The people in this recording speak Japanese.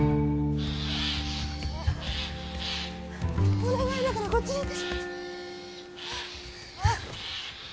お願いだからこっちにいて。